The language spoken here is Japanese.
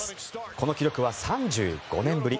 この記録は３５年ぶり。